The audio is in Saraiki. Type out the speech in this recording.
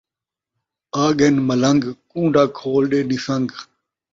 آڳن ملنگ، کونڈا کھول ݙے نسنگ